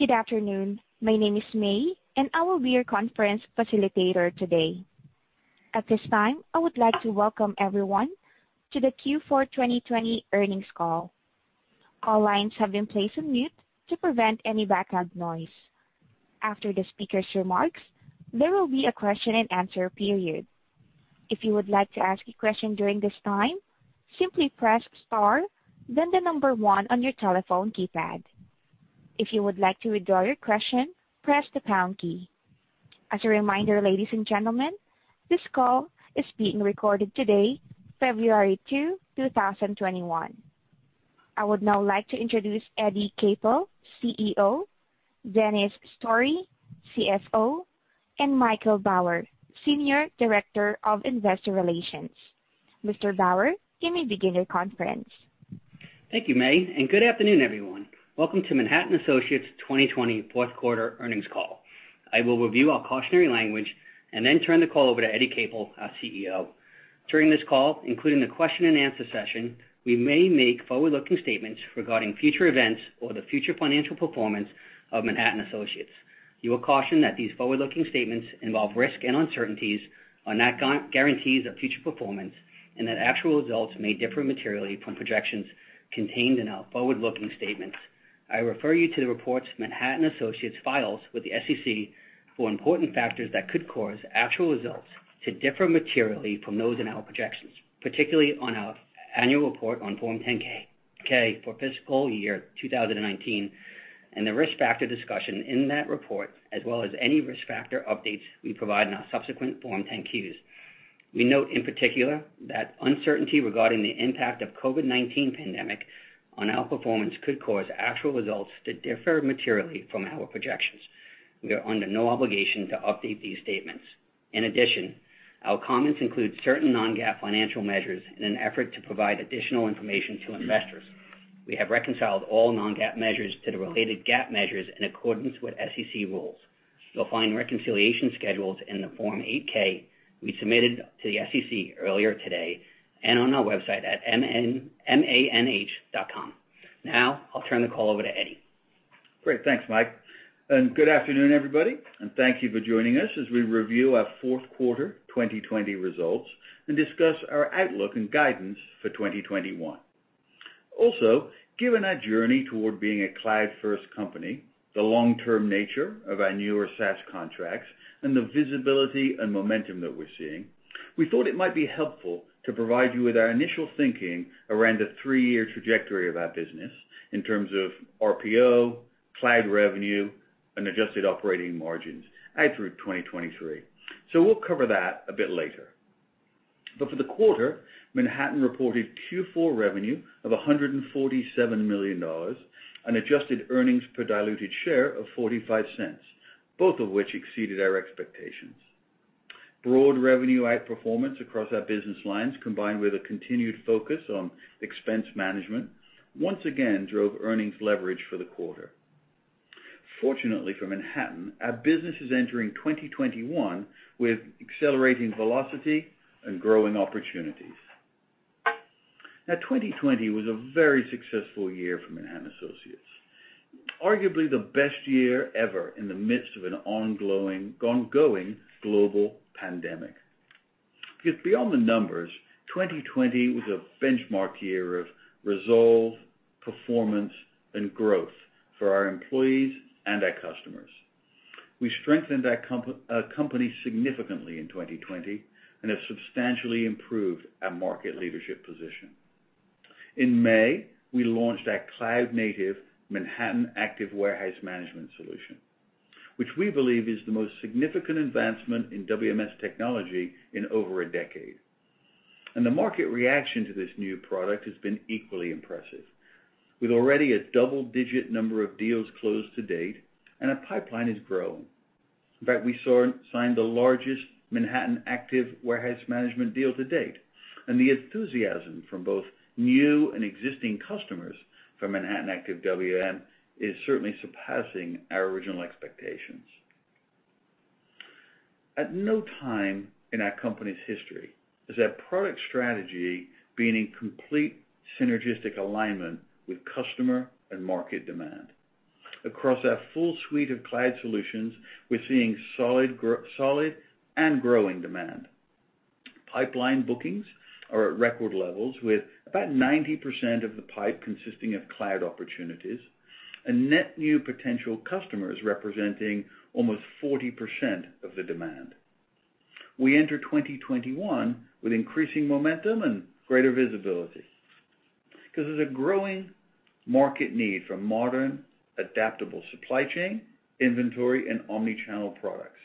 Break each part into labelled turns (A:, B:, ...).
A: Good afternoon. My name is May, and I will be your conference facilitator today. At this time, I would like to welcome everyone to the Q4 2020 earnings call. All lines have been placed on mute to prevent any background noise. After the speaker's remarks, there will be a question-and-answer period. If you would like to ask a question during this time, simply press star, then the number one on your telephone keypad. If you would like to withdraw your question, press the pound key. As a reminder, ladies and gentlemen, this call is being recorded today, February 2, 2021. I would now like to introduce Eddie Capel, CEO; Dennis Story, CFO; and Michael Bauer, Senior Director of Investor Relations. Mr. Bauer, can you begin your conference?
B: Thank you, May. Good afternoon, everyone. Welcome to Manhattan Associates 2020 fourth quarter earnings call. I will review all cautionary language and then turn the call over to Eddie Capel, our CEO. During this call, including the question-and-answer session, we may make forward-looking statements regarding future events or the future financial performance of Manhattan Associates. You are cautioned that these forward-looking statements involve risk and uncertainties, are not guarantees of future performance, and that actual results may differ materially from projections contained in our forward-looking statements. I refer you to the reports Manhattan Associates files with the SEC for important factors that could cause actual results to differ materially from those in our projections, particularly on our annual report on Form 10-K for fiscal year 2019 and the risk factor discussion in that report, as well as any risk factor updates we provide in our subsequent Form 10-Qs. We note, in particular, that uncertainty regarding the impact of the COVID-19 pandemic on our performance could cause actual results to differ materially from our projections. We are under no obligation to update these statements. In addition, our comments include certain Non-GAAP financial measures in an effort to provide additional information to investors. We have reconciled all Non-GAAP measures to the related GAAP measures in accordance with SEC rules. You'll find reconciliation schedules in the Form 8-K we submitted to the SEC earlier today and on our website at manh.com. Now, I'll turn the call over to Eddie.
C: Great. Thanks, Mike, and good afternoon, everybody. And thank you for joining us as we review our fourth quarter 2020 results and discuss our outlook and guidance for 2021. Also, given our journey toward being a cloud-first company, the long-term nature of our newer SaaS contracts, and the visibility and momentum that we're seeing, we thought it might be helpful to provide you with our initial thinking around the three-year trajectory of our business in terms of RPO, cloud revenue, and adjusted operating margins through 2023, so we'll cover that a bit later, but for the quarter, Manhattan reported Q4 revenue of $147 million and adjusted earnings per diluted share of $0.45, both of which exceeded our expectations. Broad revenue outperformance across our business lines, combined with a continued focus on expense management, once again drove earnings leverage for the quarter. Fortunately, for Manhattan, our business is entering 2021 with accelerating velocity and growing opportunities. Now, 2020 was a very successful year for Manhattan Associates, arguably the best year ever in the midst of an ongoing global pandemic. Because beyond the numbers, 2020 was a benchmark year of resolve, performance, and growth for our employees and our customers. We strengthened our company significantly in 2020 and have substantially improved our market leadership position. In May, we launched our cloud-native Manhattan Active Warehouse Management solution, which we believe is the most significant advancement in WMS technology in over a decade. And the market reaction to this new product has been equally impressive. With already a double-digit number of deals closed to date, and our pipeline is growing. In fact, we signed the largest Manhattan Active Warehouse Management deal to date. And the enthusiasm from both new and existing customers for Manhattan Active WM is certainly surpassing our original expectations. At no time in our company's history has our product strategy been in complete synergistic alignment with customer and market demand. Across our full suite of cloud solutions, we're seeing solid and growing demand. Pipeline bookings are at record levels, with about 90% of the pipe consisting of cloud opportunities and net new potential customers representing almost 40% of the demand. We enter 2021 with increasing momentum and greater visibility because there's a growing market need for modern, adaptable supply chain, inventory, and omnichannel products.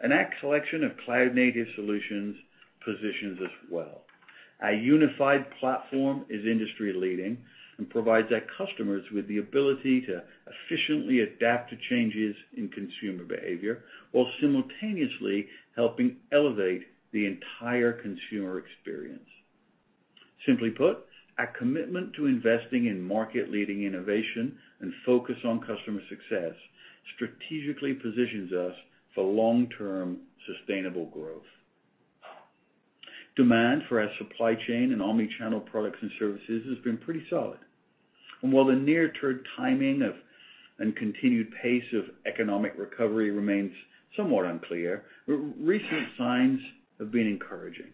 C: And our collection of cloud-native solutions positions us well. Our unified platform is industry-leading and provides our customers with the ability to efficiently adapt to changes in consumer behavior while simultaneously helping elevate the entire consumer experience. Simply put, our commitment to investing in market-leading innovation and focus on customer success strategically positions us for long-term sustainable growth. Demand for our supply chain and omnichannel products and services has been pretty solid. And while the near-term timing and continued pace of economic recovery remains somewhat unclear, recent signs have been encouraging.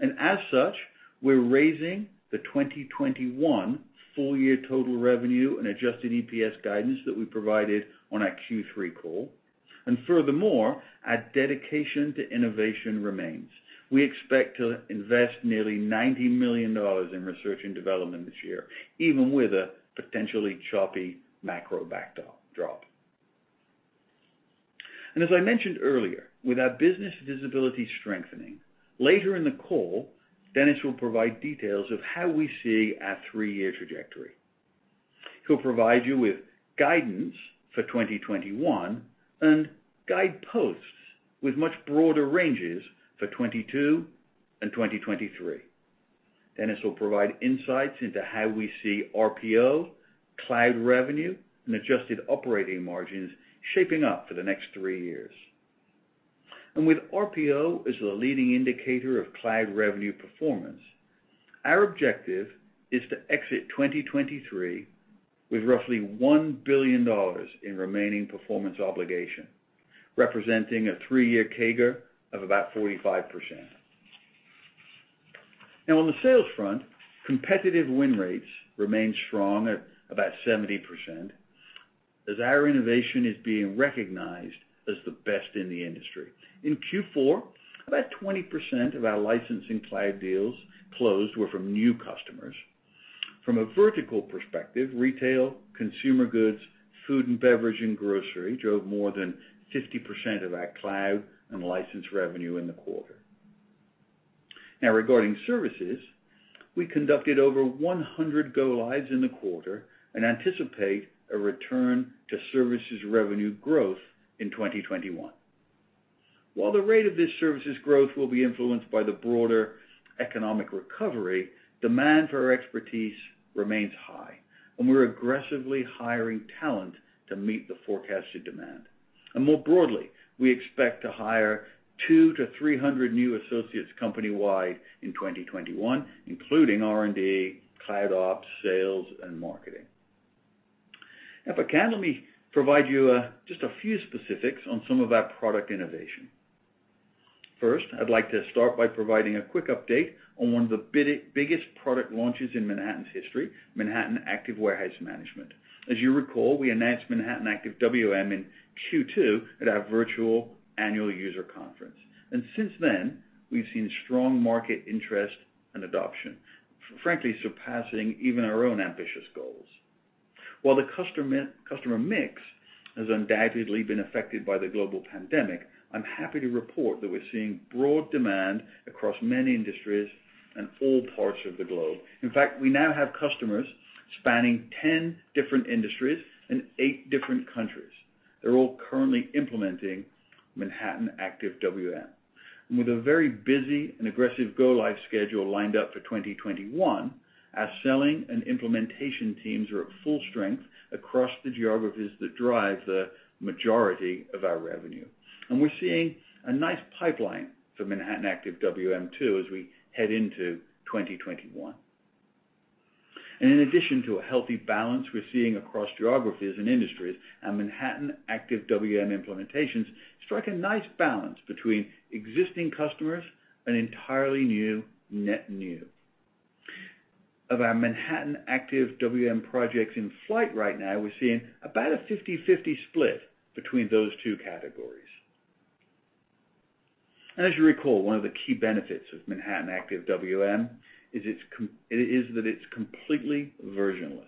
C: And as such, we're raising the 2021 full-year total revenue and adjusted EPS guidance that we provided on our Q3 call. And furthermore, our dedication to innovation remains. We expect to invest nearly $90 million in research and development this year, even with a potentially choppy macro backdrop. And as I mentioned earlier, with our business visibility strengthening, later in the call, Dennis will provide details of how we see our three-year trajectory. He'll provide you with guidance for 2021 and guideposts with much broader ranges for 2022 and 2023. Dennis will provide insights into how we see RPO, cloud revenue, and adjusted operating margins shaping up for the next three years, and with RPO as the leading indicator of cloud revenue performance, our objective is to exit 2023 with roughly $1 billion in remaining performance obligation, representing a three-year CAGR of about 45%. Now, on the sales front, competitive win rates remain strong at about 70% as our innovation is being recognized as the best in the industry. In Q4, about 20% of our licensing cloud deals closed were from new customers. From a vertical perspective, retail, consumer goods, food and beverage, and grocery drove more than 50% of our cloud and license revenue in the quarter. Now, regarding services, we conducted over 100 go-lives in the quarter and anticipate a return to services revenue growth in 2021. While the rate of this services growth will be influenced by the broader economic recovery, demand for our expertise remains high, and we're aggressively hiring talent to meet the forecasted demand. And more broadly, we expect to hire 200-300 new associates company-wide in 2021, including R&D, cloud ops, sales, and marketing. Now, for cloud, let me provide you just a few specifics on some of our product innovation. First, I'd like to start by providing a quick update on one of the biggest product launches in Manhattan's history, Manhattan Active Warehouse Management. As you recall, we announced Manhattan Active WM in Q2 at our virtual annual user conference. And since then, we've seen strong market interest and adoption, frankly, surpassing even our own ambitious goals. While the customer mix has undoubtedly been affected by the global pandemic, I'm happy to report that we're seeing broad demand across many industries in all parts of the globe. In fact, we now have customers spanning 10 different industries in eight different countries. They're all currently implementing Manhattan Active WM. And with a very busy and aggressive go-live schedule lined up for 2021, our selling and implementation teams are at full strength across the geographies that drive the majority of our revenue. And we're seeing a nice pipeline for Manhattan Active WM too as we head into 2021. And in addition to a healthy balance we're seeing across geographies and industries, our Manhattan Active WM implementations strike a nice balance between existing customers and entirely new, net new. Of our Manhattan Active WM projects in flight right now, we're seeing about a 50/50 split between those two categories. As you recall, one of the key benefits of Manhattan Active WM is that it's completely versionless.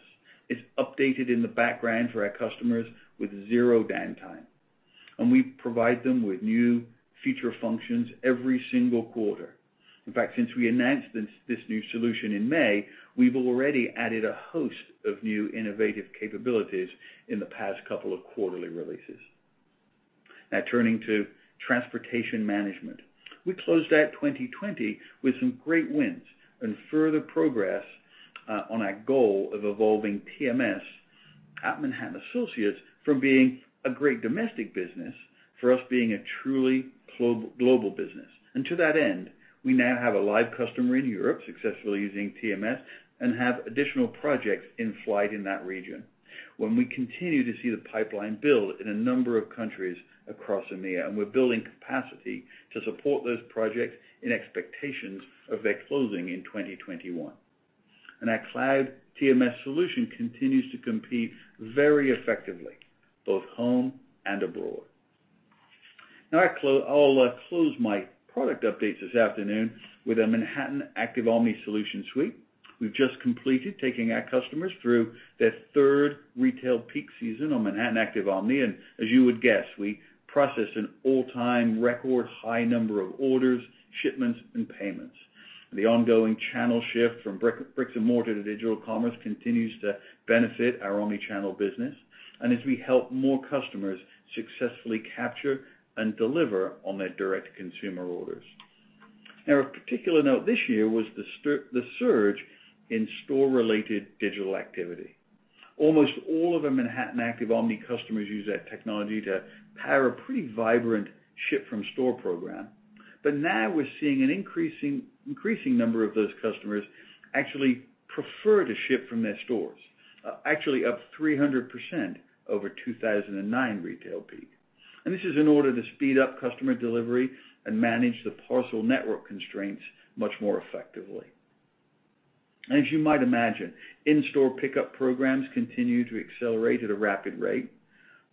C: It's updated in the background for our customers with zero downtime. And we provide them with new feature functions every single quarter. In fact, since we announced this new solution in May, we've already added a host of new innovative capabilities in the past couple of quarterly releases. Now, turning to transportation management, we closed out 2020 with some great wins and further progress on our goal of evolving TMS at Manhattan Associates from being a great domestic business for us being a truly global business. And to that end, we now have a live customer in Europe successfully using TMS and have additional projects in flight in that region when we continue to see the pipeline build in a number of countries across EMEA. We're building capacity to support those projects in expectations of their closing in 2021. Our cloud TMS solution continues to compete very effectively, both home and abroad. Now, I'll close my product updates this afternoon with a Manhattan Active Omni solution suite we've just completed, taking our customers through their third retail peak season on Manhattan Active Omni. As you would guess, we process an all-time record high number of orders, shipments, and payments. The ongoing channel shift from bricks and mortar to digital commerce continues to benefit our omnichannel business. As we help more customers successfully capture and deliver on their direct-to-consumer orders. Now, a particular note this year was the surge in store-related digital activity. Almost all of our Manhattan Active Omni customers use our technology to power a pretty vibrant ship-from-store program. But now we're seeing an increasing number of those customers actually prefer to ship from their stores, actually up 300% over 2019 retail peak. And this is in order to speed up customer delivery and manage the parcel network constraints much more effectively. And as you might imagine, in-store pickup programs continue to accelerate at a rapid rate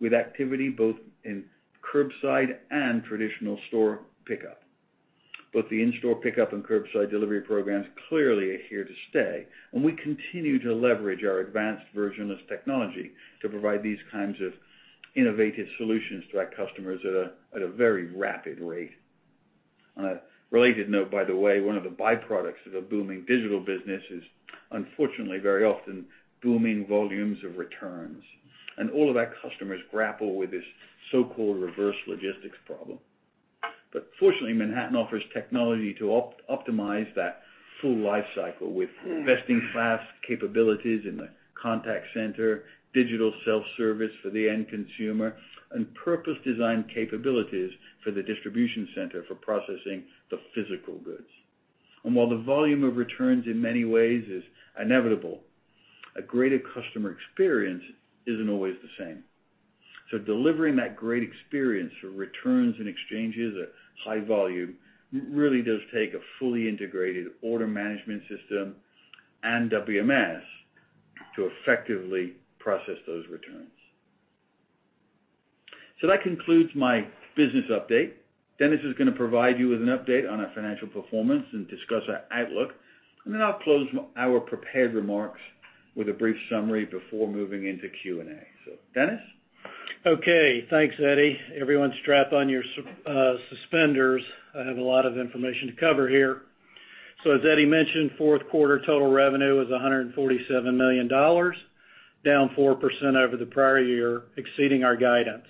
C: with activity both in curbside and traditional store pickup. Both the in-store pickup and curbside delivery programs clearly are here to stay. And we continue to leverage our advanced versionless technology to provide these kinds of innovative solutions to our customers at a very rapid rate. On a related note, by the way, one of the byproducts of a booming digital business is, unfortunately, very often booming volumes of returns. And all of our customers grapple with this so-called reverse logistics problem. But fortunately, Manhattan offers technology to optimize that full lifecycle with best-in-class capabilities in the contact center, digital self-service for the end consumer, and purpose-designed capabilities for the distribution center for processing the physical goods. And while the volume of returns in many ways is inevitable, a great customer experience isn't always the same. So delivering that great experience for returns and exchanges at high volume really does take a fully integrated order management system and WMS to effectively process those returns. So that concludes my business update. Dennis is going to provide you with an update on our financial performance and discuss our outlook. And then I'll close our prepared remarks with a brief summary before moving into Q&A. So, Dennis?
D: Okay. Thanks, Eddie. Everyone strap on your suspenders. I have a lot of information to cover here. So, as Eddie mentioned, fourth quarter total revenue was $147 million, down 4% over the prior year, exceeding our guidance.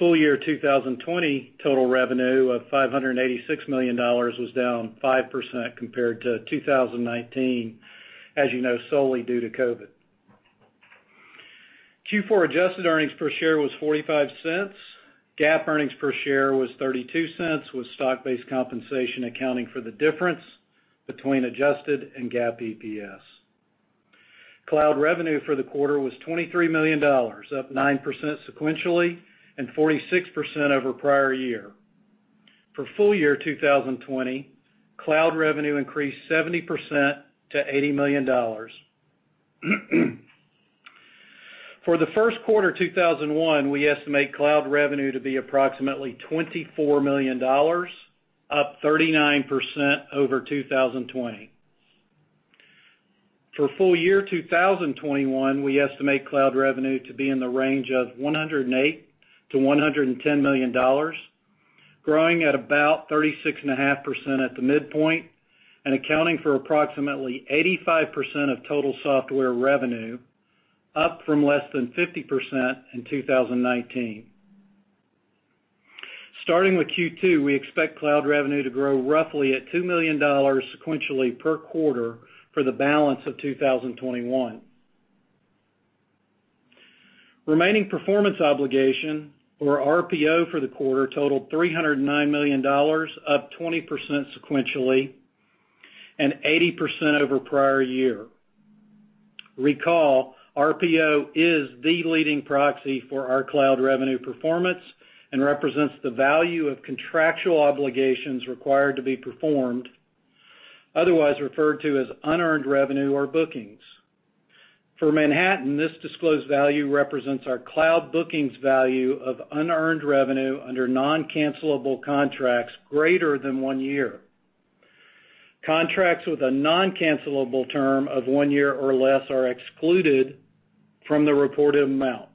D: Full year 2020 total revenue of $586 million was down 5% compared to 2019, as you know, solely due to COVID. Q4 adjusted earnings per share was $0.45. GAAP earnings per share was $0.32 with stock-based compensation accounting for the difference between adjusted and GAAP EPS. Cloud revenue for the quarter was $23 million, up 9% sequentially and 46% over prior year. For full year 2020, cloud revenue increased 70% to $80 million. For the first quarter 2021, we estimate cloud revenue to be approximately $24 million, up 39% over 2020. For full year 2021, we estimate cloud revenue to be in the range of $108 million-$110 million, growing at about 36.5% at the midpoint and accounting for approximately 85% of total software revenue, up from less than 50% in 2019. Starting with Q2, we expect cloud revenue to grow roughly at $2 million sequentially per quarter for the balance of 2021. Remaining performance obligation, or RPO, for the quarter totaled $309 million, up 20% sequentially and 80% over prior year. Recall, RPO is the leading proxy for our cloud revenue performance and represents the value of contractual obligations required to be performed, otherwise referred to as unearned revenue or bookings. For Manhattan, this disclosed value represents our cloud bookings value of unearned revenue under non-cancelable contracts greater than one year. Contracts with a non-cancelable term of one year or less are excluded from the reported amount.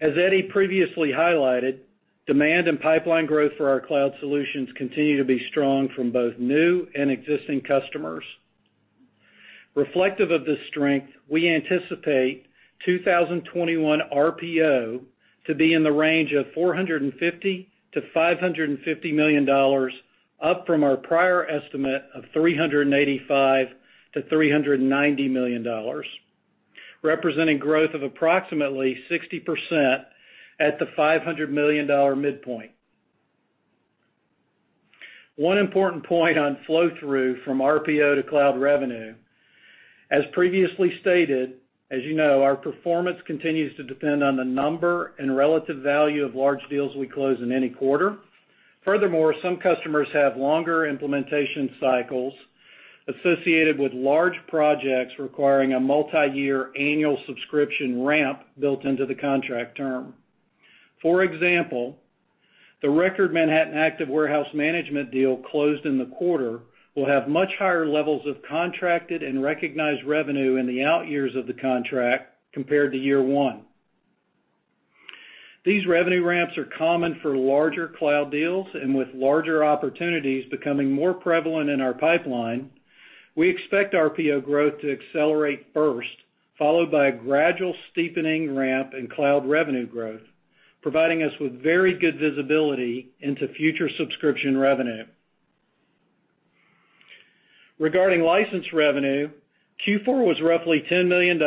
D: As Eddie previously highlighted, demand and pipeline growth for our cloud solutions continue to be strong from both new and existing customers. Reflective of this strength, we anticipate 2021 RPO to be in the range of $450 million-$550 million, up from our prior estimate of $385 million-$390 million, representing growth of approximately 60% at the $500 million midpoint. One important point on flow-through from RPO to cloud revenue, as previously stated, as you know, our performance continues to depend on the number and relative value of large deals we close in any quarter. Furthermore, some customers have longer implementation cycles associated with large projects requiring a multi-year annual subscription ramp built into the contract term. For example, the record Manhattan Active Warehouse Management deal closed in the quarter will have much higher levels of contracted and recognized revenue in the out years of the contract compared to year one. These revenue ramps are common for larger cloud deals, and with larger opportunities becoming more prevalent in our pipeline, we expect RPO growth to accelerate first, followed by a gradual steepening ramp in cloud revenue growth, providing us with very good visibility into future subscription revenue. Regarding license revenue, Q4 was roughly $10 million.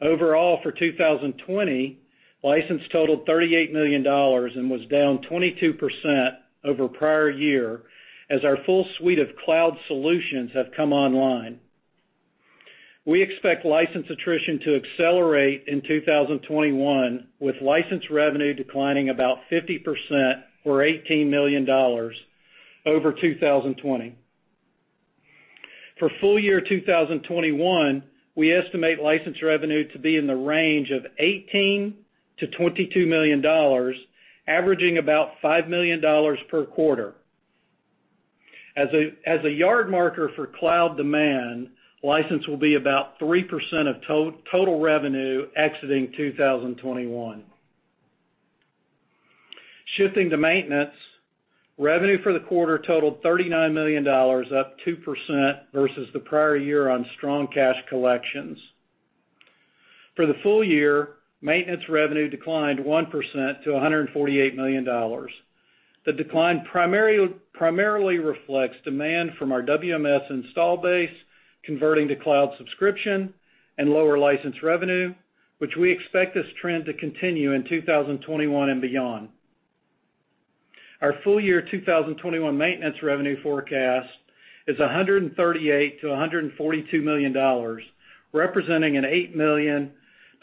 D: Overall, for 2020, license totaled $38 million and was down 22% over prior year as our full suite of cloud solutions have come online. We expect license attrition to accelerate in 2021, with license revenue declining about 50% or $18 million over 2020. For full year 2021, we estimate license revenue to be in the range of $18 million-$22 million, averaging about $5 million per quarter. As a yard marker for cloud demand, license will be about 3% of total revenue exiting 2021. Shifting to maintenance, revenue for the quarter totaled $39 million, up 2% versus the prior year on strong cash collections. For the full year, maintenance revenue declined 1% to $148 million. The decline primarily reflects demand from our WMS install base converting to cloud subscription and lower license revenue, which we expect this trend to continue in 2021 and beyond. Our full year 2021 maintenance revenue forecast is $138 million-$142 million, representing an $8 million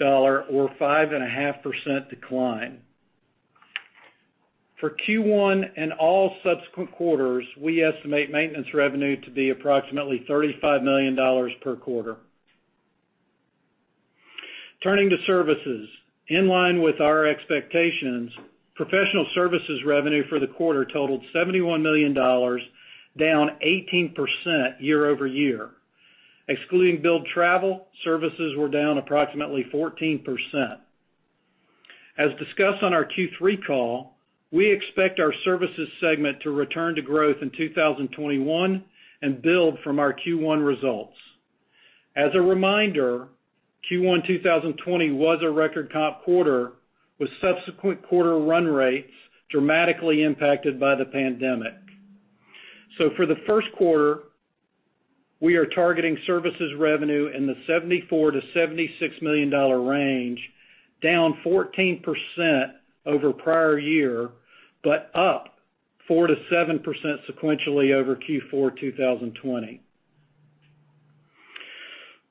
D: or 5.5% decline. For Q1 and all subsequent quarters, we estimate maintenance revenue to be approximately $35 million per quarter. Turning to services, in line with our expectations, professional services revenue for the quarter totaled $71 million, down 18% year-over-year. Excluding billed travel, services were down approximately 14%. As discussed on our Q3 call, we expect our services segment to return to growth in 2021 and build from our Q1 results. As a reminder, Q1 2020 was a record comp quarter with subsequent quarter run rates dramatically impacted by the pandemic. So, for the first quarter, we are targeting services revenue in the $74 million-$76 million range, down 14% over prior year but up 4%-7% sequentially over Q4 2020.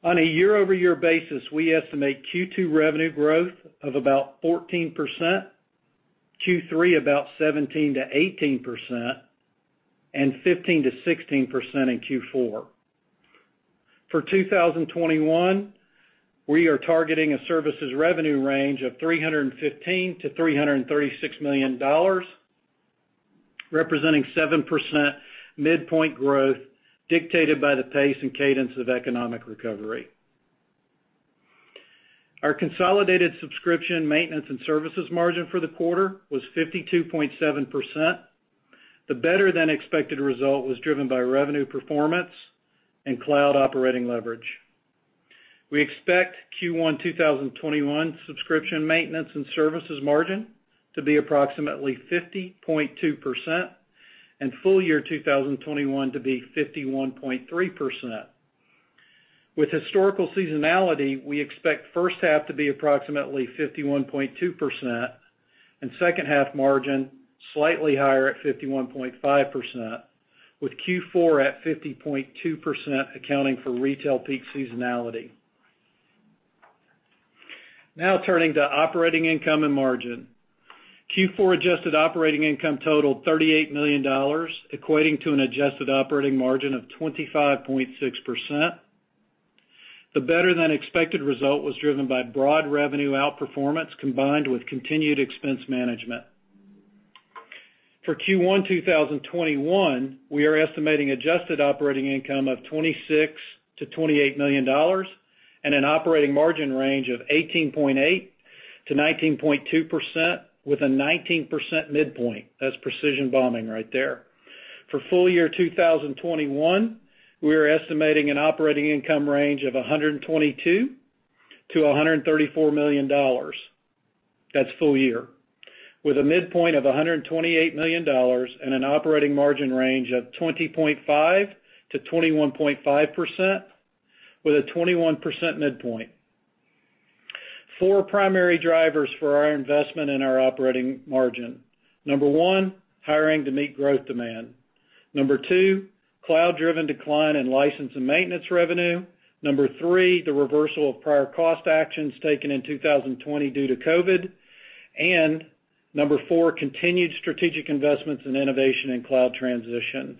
D: On a year-over-year basis, we estimate Q2 revenue growth of about 14%, Q3 about 17%-18%, and 15%-16% in Q4. For 2021, we are targeting a services revenue range of $315 million-$336 million, representing 7% midpoint growth dictated by the pace and cadence of economic recovery. Our consolidated subscription maintenance and services margin for the quarter was 52.7%. The better-than-expected result was driven by revenue performance and cloud operating leverage. We expect Q1 2021 subscription maintenance and services margin to be approximately 50.2% and full year 2021 to be 51.3%. With historical seasonality, we expect first half to be approximately 51.2% and second half margin slightly higher at 51.5%, with Q4 at 50.2% accounting for retail peak seasonality. Now, turning to operating income and margin, Q4 adjusted operating income totaled $38 million, equating to an adjusted operating margin of 25.6%. The better-than-expected result was driven by broad revenue outperformance combined with continued expense management. For Q1 2021, we are estimating adjusted operating income of $26 million-$28 million and an operating margin range of 18.8%-19.2% with a 19% midpoint. That's precision bombing right there. For full year 2021, we are estimating an operating income range of $122 million-$134 million. That's full year, with a midpoint of $128 million and an operating margin range of 20.5%-21.5% with a 21% midpoint. Four primary drivers for our investment in our operating margin: number one, hiring to meet growth demand, number two, cloud-driven decline in license and maintenance revenue, number three, the reversal of prior cost actions taken in 2020 due to COVID, and number four, continued strategic investments and innovation in cloud transition.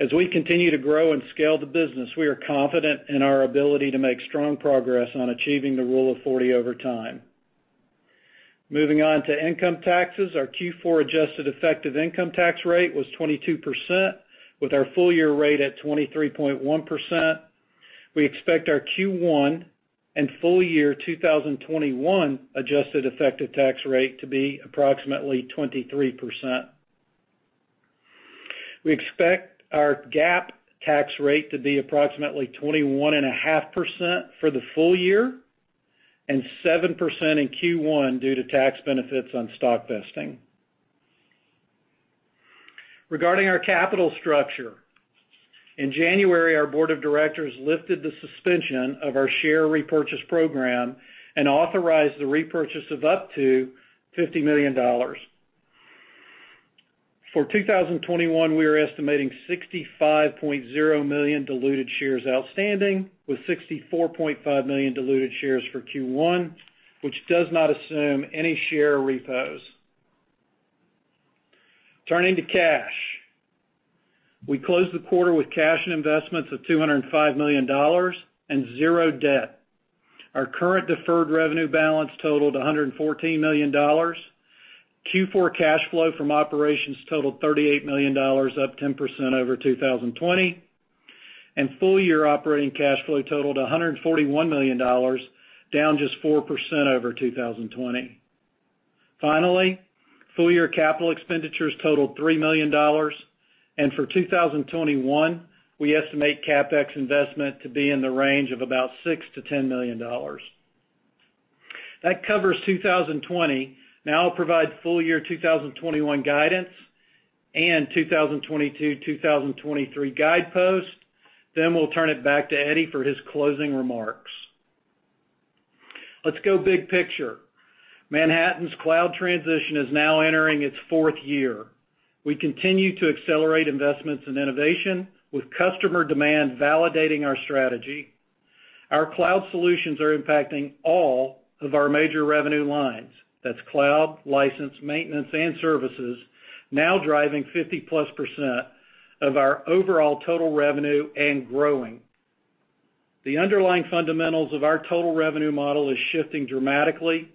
D: As we continue to grow and scale the business, we are confident in our ability to make strong progress on achieving the Rule of 40 over time. Moving on to income taxes, our Q4 adjusted effective income tax rate was 22%, with our full year rate at 23.1%. We expect our Q1 and full year 2021 adjusted effective tax rate to be approximately 23%. We expect our GAAP tax rate to be approximately 21.5% for the full year and 7% in Q1 due to tax benefits on stock vesting. Regarding our capital structure, in January, our board of directors lifted the suspension of our share repurchase program and authorized the repurchase of up to $50 million. For 2021, we are estimating 65.0 million diluted shares outstanding, with 64.5 million diluted shares for Q1, which does not assume any share repos. Turning to cash, we closed the quarter with cash and investments of $205 million and zero debt. Our current deferred revenue balance totaled $114 million. Q4 cash flow from operations totaled $38 million, up 10% over 2020, and full year operating cash flow totaled $141 million, down just 4% over 2020. Finally, full year capital expenditures totaled $3 million, and for 2021, we estimate CapEx investment to be in the range of about $6 million-$10 million. That covers 2020. Now, I'll provide full year 2021 guidance and 2022-2023 guidepost, then we'll turn it back to Eddie for his closing remarks. Let's go big picture. Manhattan's cloud transition is now entering its fourth year. We continue to accelerate investments and innovation, with customer demand validating our strategy. Our cloud solutions are impacting all of our major revenue lines. That's cloud, license, maintenance, and services, now driving 50%+ of our overall total revenue and growing. The underlying fundamentals of our total revenue model are shifting dramatically.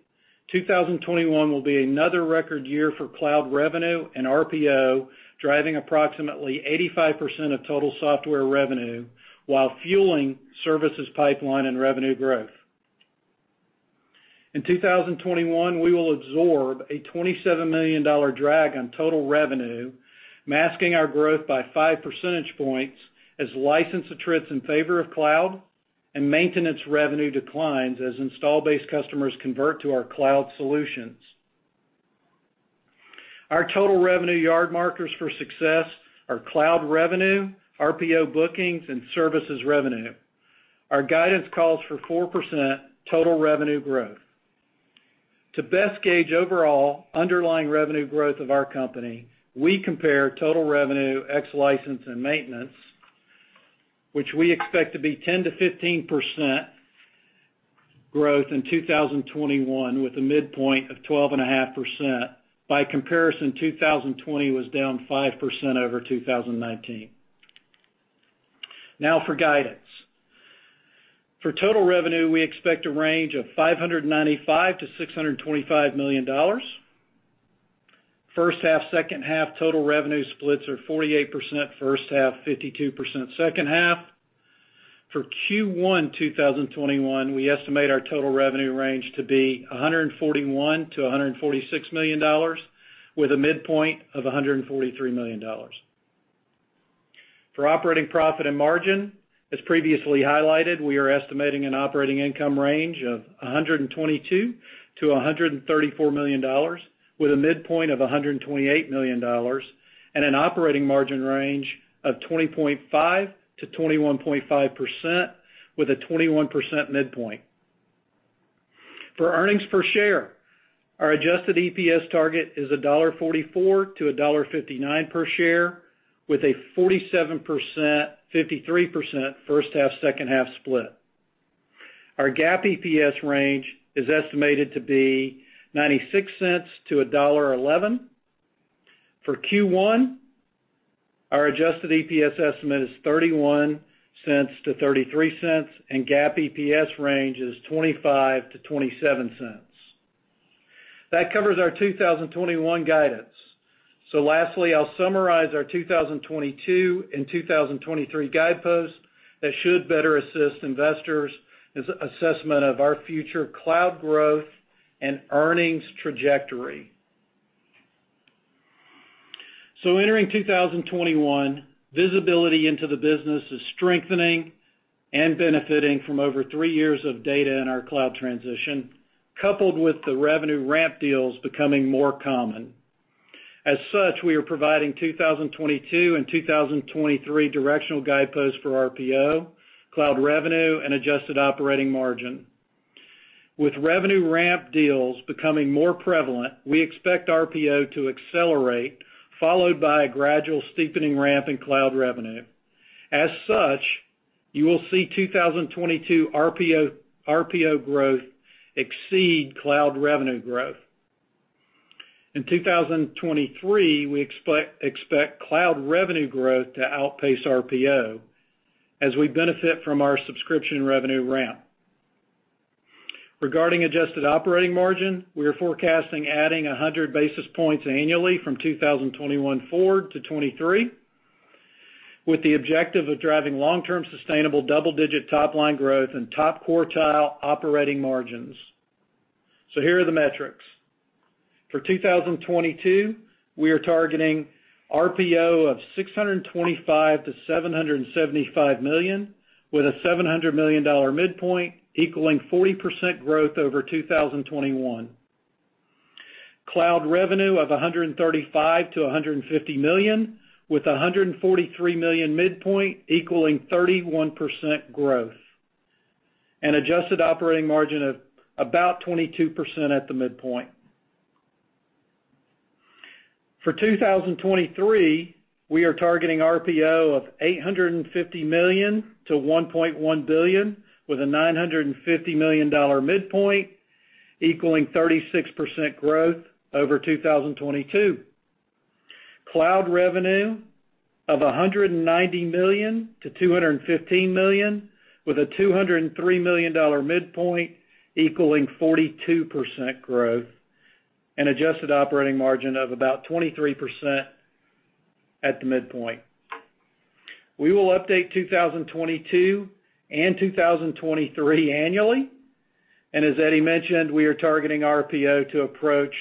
D: 2021 will be another record year for cloud revenue and RPO, driving approximately 85% of total software revenue, while fueling services pipeline and revenue growth. In 2021, we will absorb a $27 million drag on total revenue, masking our growth by 5 percentage points as license attrits in favor of cloud, and maintenance revenue declines as installed base customers convert to our cloud solutions. Our total revenue yard markers for success are cloud revenue, RPO bookings, and services revenue. Our guidance calls for 4% total revenue growth. To best gauge overall underlying revenue growth of our company, we compare total revenue ex license and maintenance, which we expect to be 10%-15% growth in 2021, with a midpoint of 12.5%. By comparison, 2020 was down 5% over 2019. Now, for guidance. For total revenue, we expect a range of $595 million-$625 million. First half, second half total revenue splits are 48% first half, 52% second half. For Q1 2021, we estimate our total revenue range to be $141 million-$146 million, with a midpoint of $143 million. For operating profit and margin, as previously highlighted, we are estimating an operating income range of $122 million-$134 million, with a midpoint of $128 million, and an operating margin range of 20.5-21.5%, with a 21% midpoint. For earnings per share, our adjusted EPS target is $1.44-$1.59 per share, with a 47%-53% first half, second half split. Our GAAP EPS range is estimated to be $0.96-$1.11. For Q1, our adjusted EPS estimate is $0.31-$0.33, and GAAP EPS range is $0.25-$0.27. That covers our 2021 guidance. So lastly, I'll summarize our 2022 and 2023 guideposts that should better assist investors' assessment of our future cloud growth and earnings trajectory. So entering 2021, visibility into the business is strengthening and benefiting from over three years of data in our cloud transition, coupled with the revenue ramp deals becoming more common. As such, we are providing 2022 and 2023 directional guideposts for RPO, cloud revenue, and adjusted operating margin. With revenue ramp deals becoming more prevalent, we expect RPO to accelerate, followed by a gradual steepening ramp in cloud revenue. As such, you will see 2022 RPO growth exceed cloud revenue growth. In 2023, we expect cloud revenue growth to outpace RPO, as we benefit from our subscription revenue ramp. Regarding adjusted operating margin, we are forecasting adding 100 basis points annually from 2021 forward to 2023, with the objective of driving long-term sustainable double-digit top-line growth and top quartile operating margins. So here are the metrics. For 2022, we are targeting RPO of $625 million-$775 million, with a $700 million midpoint equaling 40% growth over 2021. Cloud revenue of $135 million-$150 million, with $143 million midpoint equaling 31% growth, and adjusted operating margin of about 22% at the midpoint. For 2023, we are targeting RPO of $850 million-$1.1 billion, with a $950 million midpoint equaling 36% growth over 2022. Cloud revenue of $190 million-$215 million, with a $203 million midpoint equaling 42% growth, and adjusted operating margin of about 23% at the midpoint. We will update 2022 and 2023 annually. As Eddie mentioned, we are targeting RPO to approach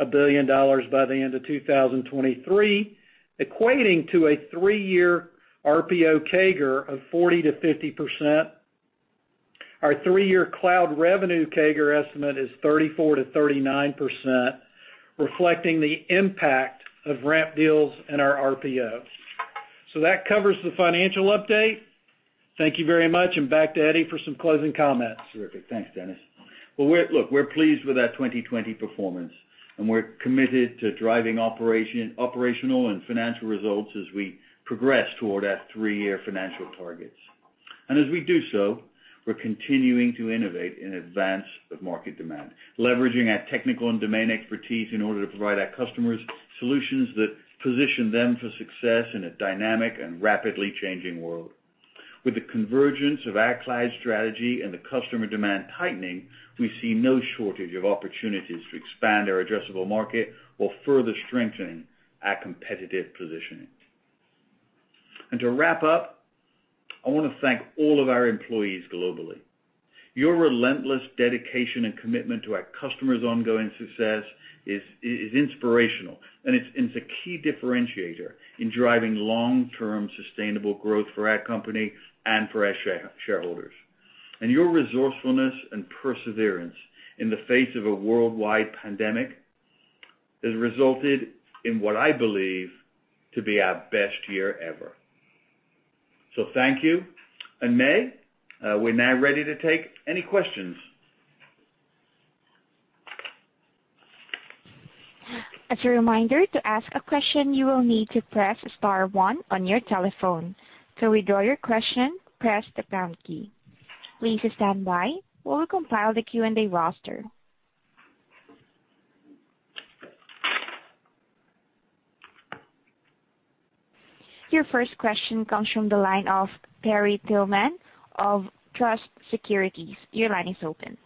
D: $1 billion by the end of 2023, equating to a three-year RPO CAGR of 40%-50%. Our three-year cloud revenue CAGR estimate is 34%-39%, reflecting the impact of ramp deals in our RPO. That covers the financial update. Thank you very much, and back to Eddie for some closing comments. Terrific.
C: Thanks, Dennis. Look, we're pleased with that 2020 performance, and we're committed to driving operational and financial results as we progress toward our three-year financial targets. As we do so, we're continuing to innovate in advance of market demand, leveraging our technical and domain expertise in order to provide our customers solutions that position them for success in a dynamic and rapidly changing world. With the convergence of our cloud strategy and the customer demand tightening, we see no shortage of opportunities to expand our addressable market or further strengthen our competitive positioning. And to wrap up, I want to thank all of our employees globally. Your relentless dedication and commitment to our customers' ongoing success is inspirational, and it's a key differentiator in driving long-term sustainable growth for our company and for our shareholders. And your resourcefulness and perseverance in the face of a worldwide pandemic has resulted in what I believe to be our best year ever. So thank you. And May, we're now ready to take any questions.
A: As a reminder, to ask a question, you will need to press star one on your telephone. To withdraw your question, press the pound key. Please stand by while we compile the Q&A roster. Your first question comes from the line of Terry Tillman of Truist Securities. Your line is open.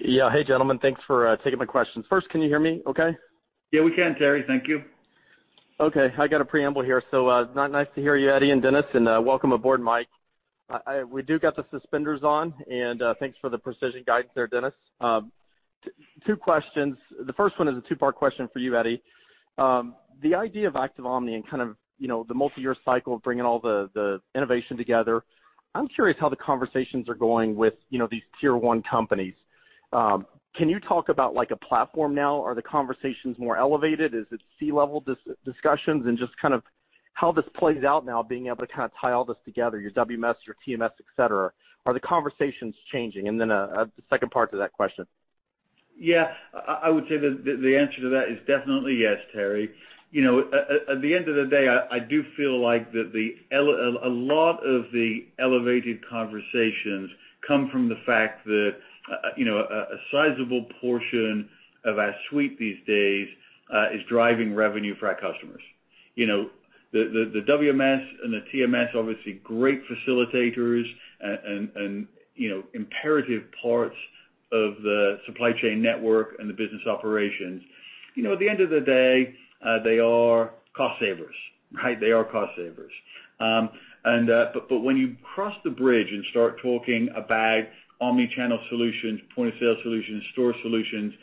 E: Yeah. Hey, gentlemen. Thanks for taking my questions. First, can you hear me okay?
C: Yeah, we can, Terry. Thank you.
E: Okay. I got a preamble here. So nice to hear you, Eddie and Dennis, and welcome aboard, Mike. We do get the suspenders on, and thanks for the precision guidance there, Dennis. Two questions. The first one is a two-part question for you, Eddie. The idea of Active Omni and kind of the multi-year cycle of bringing all the innovation together. I'm curious how the conversations are going with these Tier 1 companies. Can you talk about a platform now? Are the conversations more elevated? Is it C-level discussions? Just kind of how this plays out now, being able to kind of tie all this together, your WMS, your TMS, etc., are the conversations changing? And then a second part to that question.
C: Yeah. I would say the answer to that is definitely yes, Terry. At the end of the day, I do feel like a lot of the elevated conversations come from the fact that a sizable portion of our suite these days is driving revenue for our customers. The WMS and the TMS, obviously, great facilitators and imperative parts of the supply chain network and the business operations. At the end of the day, they are cost savers, right? They are cost savers. But when you cross the bridge and start talking about omnichannel solutions, point-of-sale solutions, store solutions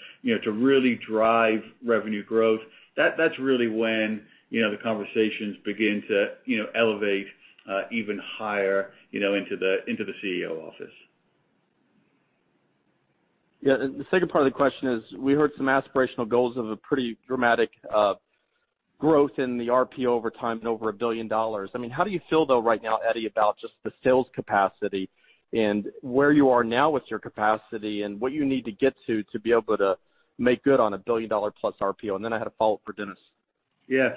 C: to really drive revenue growth, that's really when the conversations begin to elevate even higher into the CEO office.
E: Yeah. And the second part of the question is, we heard some aspirational goals of a pretty dramatic growth in the RPO over time and over $1 billion. I mean, how do you feel though right now, Eddie, about just the sales capacity and where you are now with your capacity and what you need to get to to be able to make good on a $1+ billion RPO? And then I had a follow-up for Dennis.
C: Yeah.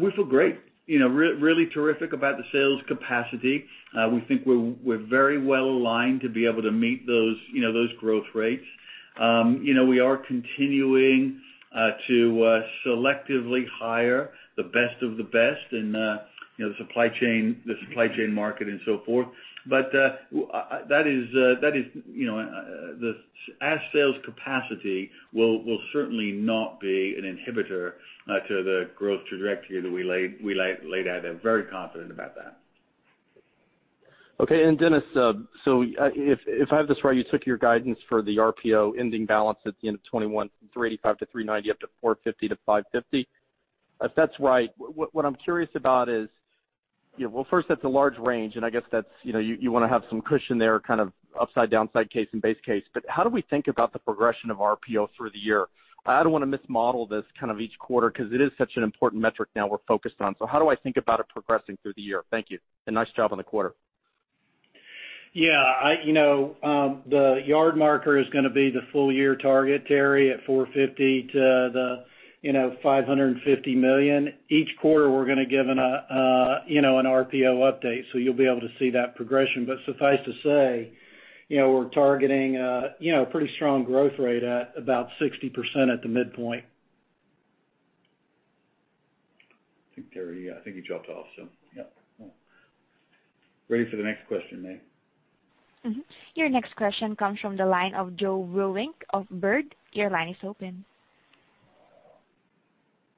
C: We feel great. Really terrific about the sales capacity. We think we're very well aligned to be able to meet those growth rates. We are continuing to selectively hire the best of the best in the supply chain market and so forth. But that is, our sales capacity will certainly not be an inhibitor to the growth trajectory that we laid out there. Very confident about that.
E: Okay. And Dennis, so if I have this right, you took your guidance for the RPO ending balance at the end of 2021 from $385-$390 up to $450-$550. If that's right, what I'm curious about is, well, first, that's a large range, and I guess you want to have some cushion there, kind of upside, downside case, and base case. But how do we think about the progression of RPO through the year? I don't want to mismodel this kind of each quarter because it is such an important metric now we're focused on. So how do I think about it progressing through the year? Thank you. And nice job on the quarter.
D: Yeah. The yard marker is going to be the full-year target, Terry, at $450 million-$550 million. Each quarter, we're going to give an RPO update, so you'll be able to see that progression. But suffice to say, we're targeting a pretty strong growth rate at about 60% at the midpoint.
C: I think Terry, yeah, I think you dropped off, so
D: yeah.
C: Ready for the next question, May?
A: Your next question comes from the line of Joe Vruwink of Baird. Your line is open.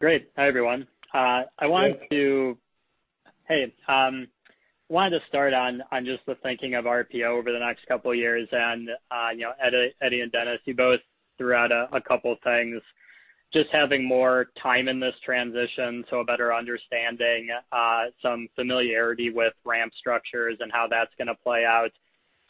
F: Great. Hi, everyone. I wanted to-hey-wanted to start on just the thinking of RPO over the next couple of years. And Eddie and Dennis, you both threw out a couple of things. Just having more time in this transition, so a better understanding, some familiarity with ramp structures and how that's going to play out,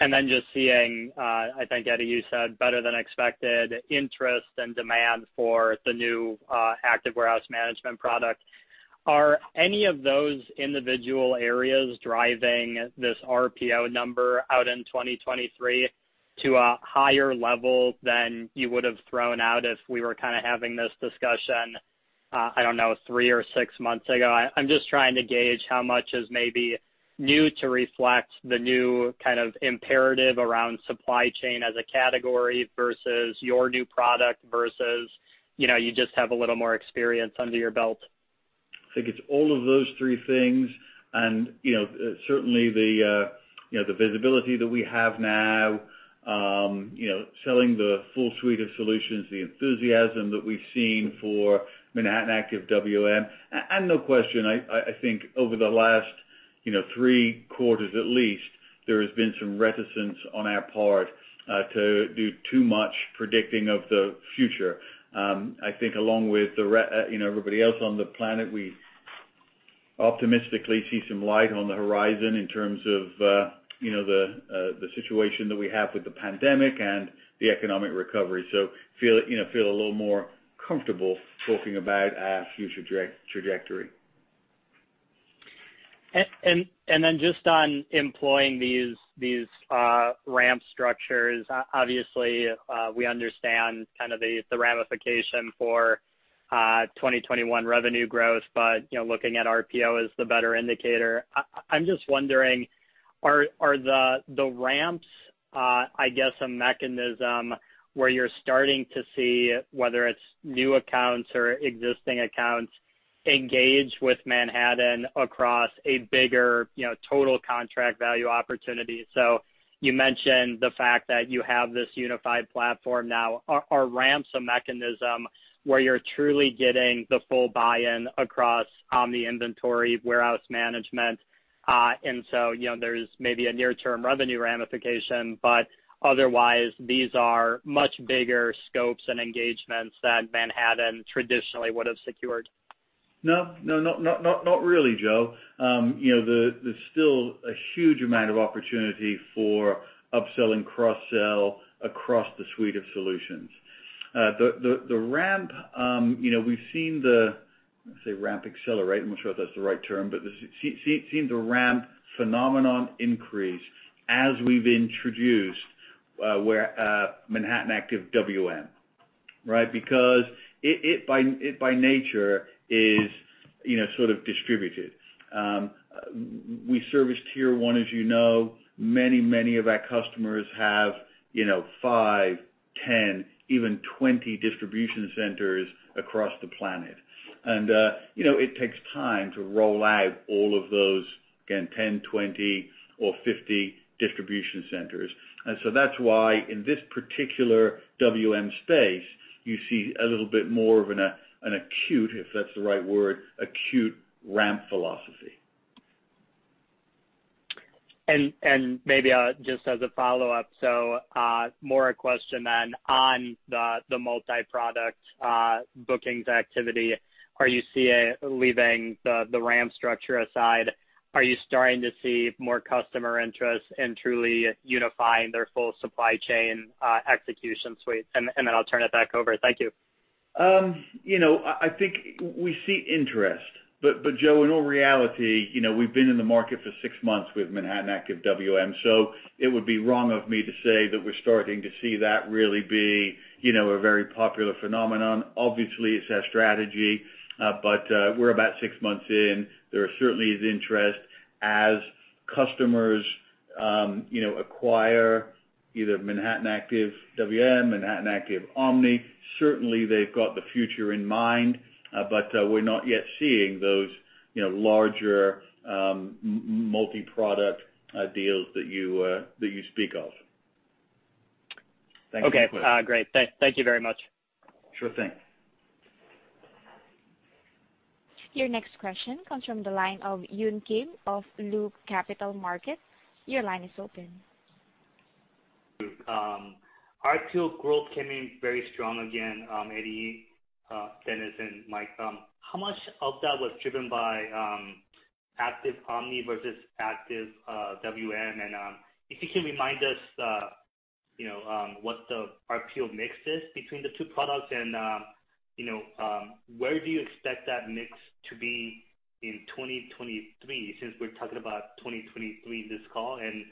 F: and then just seeing, I think Eddie, you said, better than expected interest and demand for the new Active Warehouse Management product. Are any of those individual areas driving this RPO number out in 2023 to a higher level than you would have thrown out if we were kind of having this discussion, I don't know, three or six months ago? I'm just trying to gauge how much is maybe new to reflect the new kind of imperative around supply chain as a category versus your new product versus you just have a little more experience under your belt.
C: I think it's all of those three things. And certainly, the visibility that we have now, selling the full suite of solutions, the enthusiasm that we've seen for Manhattan Active WM, and no question, I think over the last three quarters at least, there has been some reticence on our part to do too much predicting of the future. I think along with everybody else on the planet, we optimistically see some light on the horizon in terms of the situation that we have with the pandemic and the economic recovery. So feel a little more comfortable talking about our future trajectory.
F: And then just on employing these ramp structures, obviously, we understand kind of the ramification for 2021 revenue growth, but looking at RPO as the better indicator. I'm just wondering, are the ramps, I guess, a mechanism where you're starting to see whether it's new accounts or existing accounts engage with Manhattan across a bigger total contract value opportunity? So you mentioned the fact that you have this unified platform now. Are ramps a mechanism where you're truly getting the full buy-in across omni inventory, warehouse management? And so there's maybe a near-term revenue ramification, but otherwise, these are much bigger scopes and engagements that Manhattan traditionally would have secured?
C: No, no, not really, Joe. There's still a huge amount of opportunity for upsell and cross-sell across the suite of solutions. The ramp, we've seen the, let's say ramp accelerate, I'm not sure if that's the right term, but seen the ramp phenomenon increase as we've introduced Manhattan Active WM, right? Because it by nature is sort of distributed. We service tier one, as you know. Many, many of our customers have five, 10, even 20 distribution centers across the planet. And it takes time to roll out all of those, again, 10, 20, or 50 distribution centers. And so that's why in this particular WM space, you see a little bit more of an acute, if that's the right word, acute ramp philosophy.
F: And maybe just as a follow-up, so more a question than on the multi-product bookings activity, are you seeing leaving the ramp structure aside, are you starting to see more customer interest in truly unifying their full supply chain execution suite? And then I'll turn it back over. Thank you.
C: I think we see interest. But Joe, in all reality, we've been in the market for six months with Manhattan Active WM, so it would be wrong of me to say that we're starting to see that really be a very popular phenomenon. Obviously, it's our strategy, but we're about six months in. There certainly is interest. As customers acquire either Manhattan Active WM, Manhattan Active Omni, certainly they've got the future in mind, but we're not yet seeing those larger multi-product deals that you speak of. Thank you for that.
F: Okay. Great. Thank you very much.
C: Sure thing.
A: Your next question comes from the line of Yun Kim of Loop Capital Markets. Your line is open.
G: RPO growth came in very strong again, Eddie, Dennis, and Mike. How much of that was driven by Active Omni versus Active WM? And if you can remind us what the RPO mix is between the two products, and where do you expect that mix to be in 2023 since we're talking about 2023 in this call? And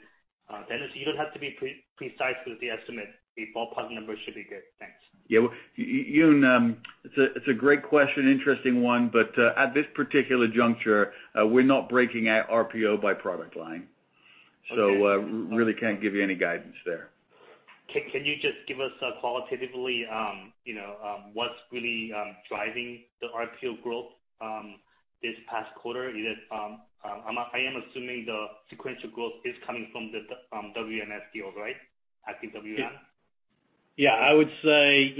G: Dennis, you don't have to be precise with the estimate. A ballpark number should be good. Thanks.
C: Yeah. It's a great question, interesting one. But at this particular juncture, we're not breaking out RPO by product line. So really can't give you any guidance there.
G: Can you just give us qualitatively what's really driving the RPO growth this past quarter? I am assuming the sequential growth is coming from the WMS deal, right? Active WM?
D: Yeah. I would say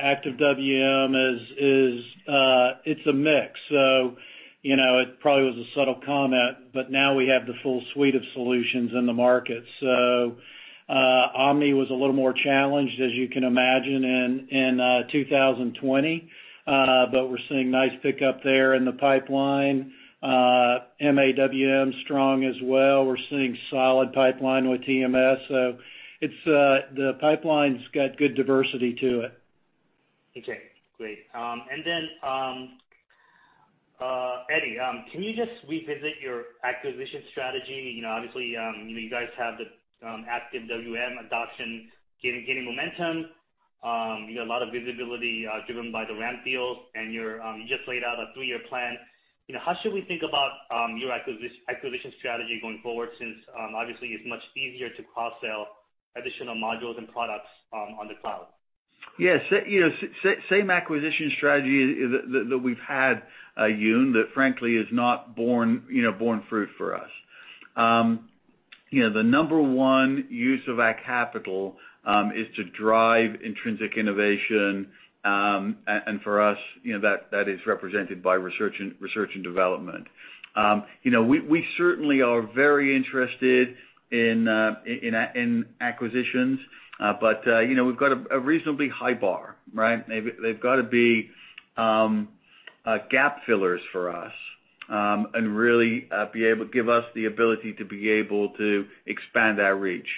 D: Active WM, it's a mix. So it probably was a subtle comment, but now we have the full suite of solutions in the market. So Omni was a little more challenged, as you can imagine, in 2020, but we're seeing nice pickup there in the pipeline. MAWM strong as well. We're seeing solid pipeline with TMS. So the pipeline's got good diversity to it.
G: Okay. Great. And then, Eddie, can you just revisit your acquisition strategy? Obviously, you guys have the Active WM adoption gaining momentum. You got a lot of visibility driven by the ramp deal, and you just laid out a three-year plan. How should we think about your acquisition strategy going forward since obviously it's much easier to cross-sell additional modules and products on the cloud?
C: Yeah. Same acquisition strategy that we've had, Yun, that frankly is not borne fruit for us. The number one use of our capital is to drive intrinsic innovation. And for us, that is represented by research and development. We certainly are very interested in acquisitions, but we've got a reasonably high bar, right? They've got to be gap fillers for us and really give us the ability to be able to expand our reach.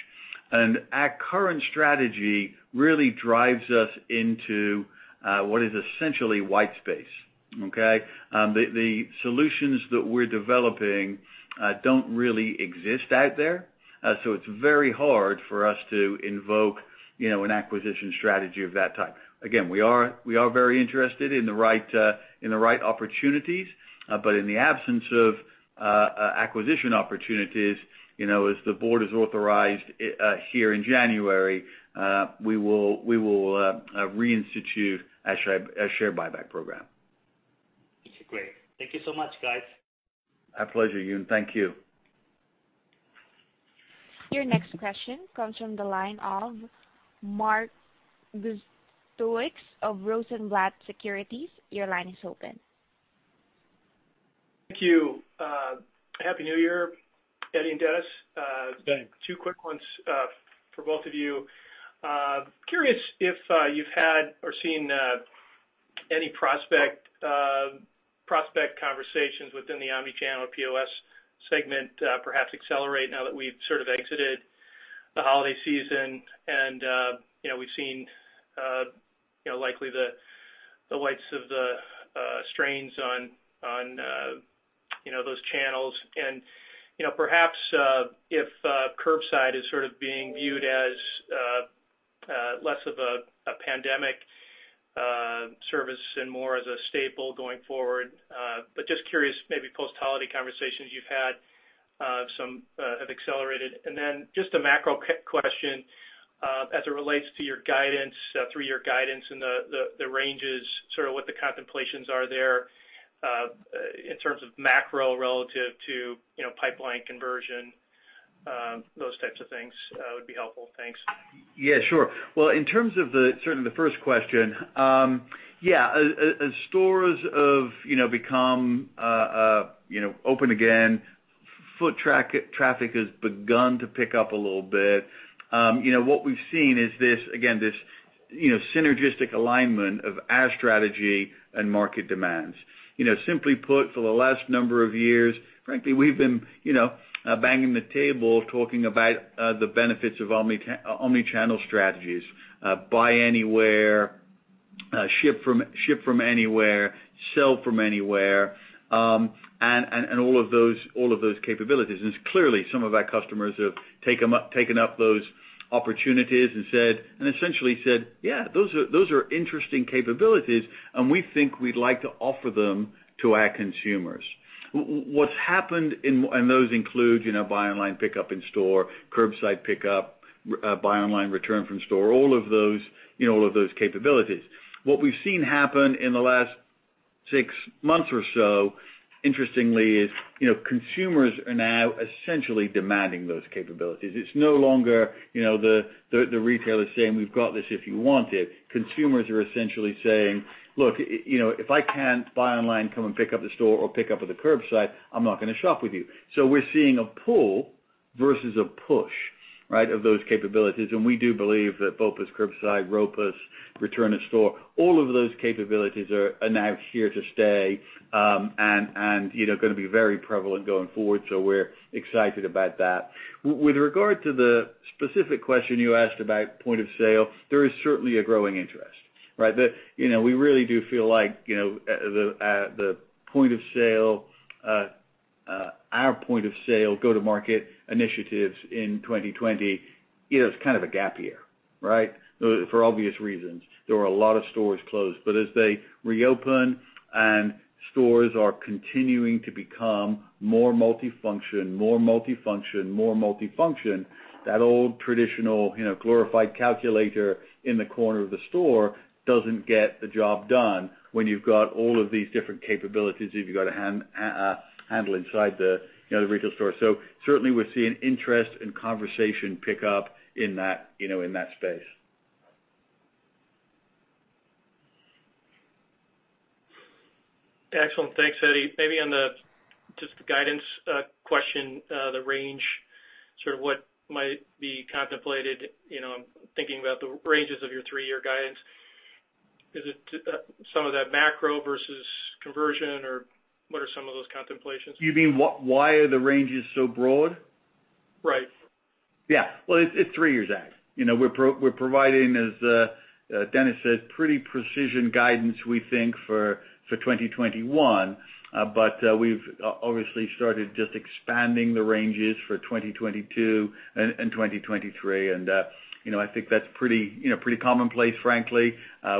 C: And our current strategy really drives us into what is essentially white space, okay? The solutions that we're developing don't really exist out there. So it's very hard for us to invoke an acquisition strategy of that type. Again, we are very interested in the right opportunities, but in the absence of acquisition opportunities, as the board is authorized here in January, we will reinstitute our share buyback program.
G: Okay. Great. Thank you so much, guys.
C: Our pleasure, Yun. Thank you.
A: Your next question comes from the line of Mark Zgutowicz of Rosenblatt Securities. Your line is open.
H: Thank you. Happy New Year, Eddie and Dennis. Two quick ones for both of you. Curious if you've had or seen any prospect conversations within the omnichannel POS segment, perhaps accelerate, now that we've sort of exited the holiday season. And we've seen likely the likes of the strains on those channels. And perhaps if curbside is sort of being viewed as less of a pandemic service and more as a staple going forward. But just curious, maybe post-holiday conversations you've had have accelerated. And then just a macro question as it relates to your guidance, three-year guidance, and the ranges, sort of what the contemplations are there in terms of macro relative to pipeline conversion, those types of things would be helpful. Thanks.
C: Yeah, sure. Well, in terms of certainly the first question, yeah, as stores have become open again, foot traffic has begun to pick up a little bit. What we've seen is, again, this synergistic alignment of our strategy and market demands. Simply put, for the last number of years, frankly, we've been banging the table talking about the benefits of omnichannel strategies: buy anywhere, ship from anywhere, sell from anywhere, and all of those capabilities, and clearly, some of our customers have taken up those opportunities and essentially said, "Yeah, those are interesting capabilities, and we think we'd like to offer them to our consumers." What's happened, and those include buy online, pick up in store, curbside pickup, buy online, return from store, all of those capabilities. What we've seen happen in the last six months or so, interestingly, is consumers are now essentially demanding those capabilities. It's no longer the retailer saying, "We've got this if you want it." Consumers are essentially saying, "Look, if I can't buy online, come and pick up in the store or pick up at the curbside, I'm not going to shop with you." So we're seeing a pull versus a push, right, of those capabilities. And we do believe that BOPUS, curbside, ROPUS, return to store, all of those capabilities are now here to stay and going to be very prevalent going forward. So we're excited about that. With regard to the specific question you asked about point of sale, there is certainly a growing interest, right? We really do feel like the point of sale, our point of sale, go-to-market initiatives in 2020, it's kind of a gap year, right? For obvious reasons. There were a lot of stores closed. But as they reopen and stores are continuing to become more multifunction, that old traditional glorified calculator in the corner of the store doesn't get the job done when you've got all of these different capabilities that you've got to handle inside the retail store. So certainly, we're seeing interest and conversation pick up in that space.
H: Excellent. Thanks, Eddie. Maybe on the just guidance question, the range, sort of what might be contemplated, thinking about the ranges of your three-year guidance, is it some of that macro versus conversion, or what are some of those contemplations?
C: You mean why are the ranges so broad?
H: Right.
C: Yeah. Well, it's three years out. We're providing, as Dennis said, pretty precision guidance, we think, for 2021. But we've obviously started just expanding the ranges for 2022 and 2023. And I think that's pretty commonplace, frankly.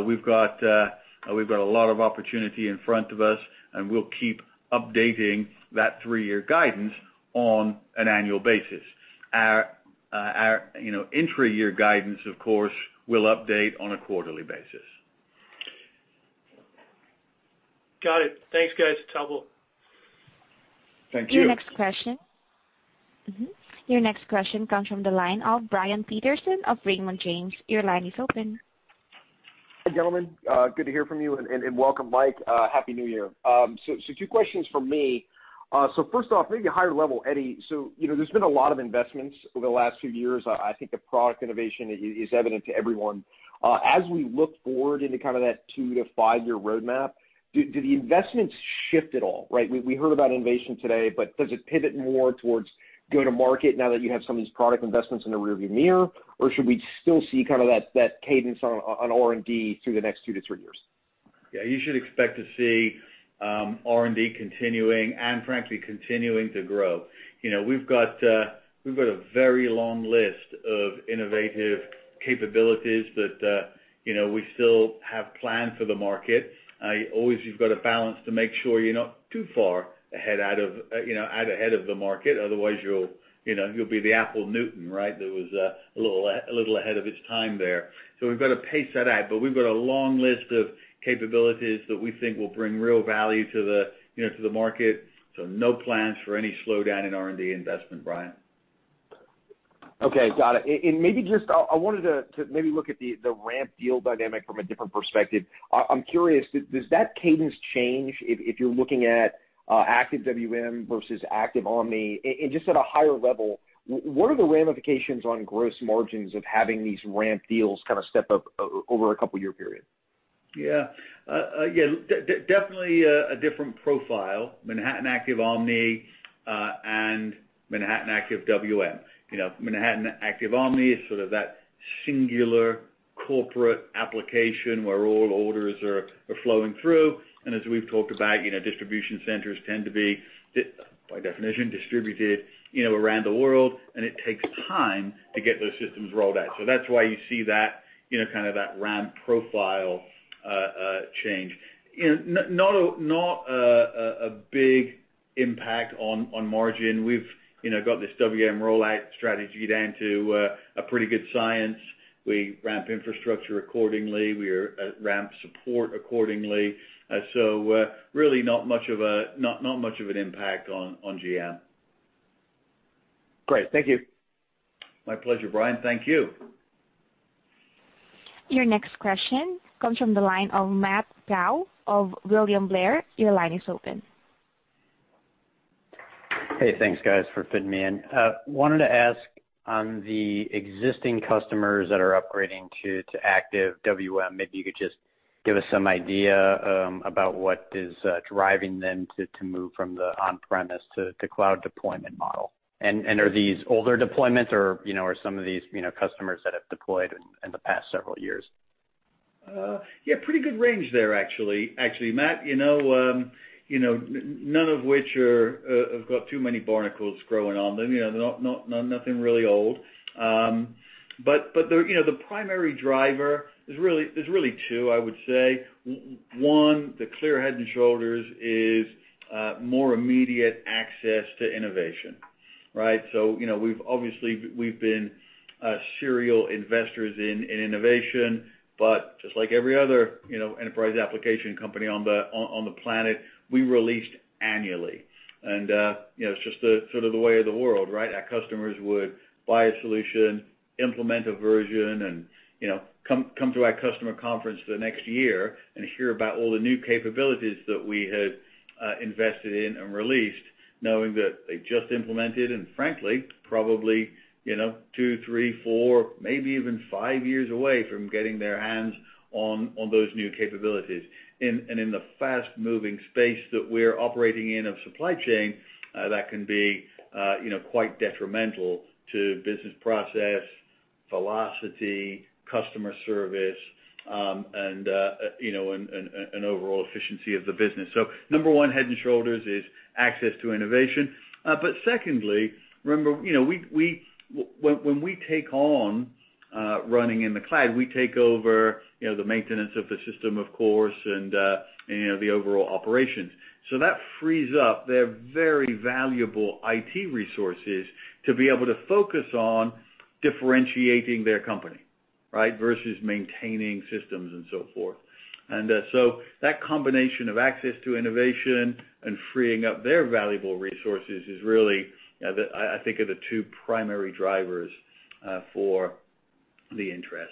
C: We've got a lot of opportunity in front of us, and we'll keep updating that three-year guidance on an annual basis. Our intra-year guidance, of course, will update on a quarterly basis.
H: Got it. Thanks, guys. It's helpful.
C: Thank you.
A: Your next question. Your next question comes from the line of Brian Peterson of Raymond James. Your line is open.
I: Hi, gentlemen. Good to hear from you. And welcome, Mike. Happy New Year. So two questions for me. So first off, maybe a higher level, Eddie. So there's been a lot of investments over the last few years. I think the product innovation is evident to everyone. As we look forward into kind of that two-to-five-year roadmap, do the investments shift at all, right? We heard about innovation today, but does it pivot more towards go-to-market now that you have some of these product investments in the rearview mirror, or should we still see kind of that cadence on R&D through the next two to three years?
C: Yeah. You should expect to see R&D continuing and, frankly, continuing to grow. We've got a very long list of innovative capabilities, but we still have plans for the market. Always, you've got to balance to make sure you're not too far ahead of the market. Otherwise, you'll be the Apple Newton, right, that was a little ahead of its time there, so we've got to pace that out, but we've got a long list of capabilities that we think will bring real value to the market, so no plans for any slowdown in R&D investment, Brian.
I: Okay. Got it. And maybe just I wanted to maybe look at the ramp deal dynamic from a different perspective. I'm curious, does that cadence change if you're looking at Active WM versus Active Omni? And just at a higher level, what are the ramifications on gross margins of having these ramp deals kind of step up over a couple-year period?
C: Yeah. Yeah. Definitely a different profile. Manhattan Active Omni and Manhattan Active WM. Manhattan Active Omni is sort of that singular corporate application where all orders are flowing through. And as we've talked about, distribution centers tend to be, by definition, distributed around the world, and it takes time to get those systems rolled out. So that's why you see kind of that ramp profile change. Not a big impact on margin. We've got this WM rollout strategy down to a pretty good science. We ramp infrastructure accordingly. We ramp support accordingly. So really not much of an impact on GM.
I: Great. Thank you.
C: My pleasure, Brian. Thank you.
A: Your next question comes from the line of Matt Pfau of William Blair. Your line is open.
J: Hey. Thanks, guys, for fitting me in. Wanted to ask on the existing customers that are upgrading to Active WM, maybe you could just give us some idea about what is driving them to move from the on-premise to cloud deployment model. And are these older deployments, or are some of these customers that have deployed in the past several years?
C: Yeah. Pretty good range there, actually. Actually, Matt, none of which have got too many barnacles growing on them. Nothing really old. But the primary driver, there's really two, I would say. One, the clear head and shoulders is more immediate access to innovation, right? So obviously, we've been serial investors in innovation. But just like every other enterprise application company on the planet, we released annually. And it's just sort of the way of the world, right? Our customers would buy a solution, implement a version, and come to our customer conference the next year and hear about all the new capabilities that we had invested in and released, knowing that they just implemented and, frankly, probably two, three, four, maybe even five years away from getting their hands on those new capabilities. And in the fast-moving space that we're operating in of supply chain, that can be quite detrimental to business process, velocity, customer service, and an overall efficiency of the business. So number one, head and shoulders, is access to innovation. But secondly, remember, when we take on running in the cloud, we take over the maintenance of the system, of course, and the overall operations. So that frees up their very valuable IT resources to be able to focus on differentiating their company, right, versus maintaining systems and so forth. And so that combination of access to innovation and freeing up their valuable resources is really, I think, the two primary drivers for the interest.